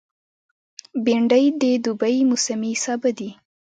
بېنډۍ د دوبي موسمي سابه دی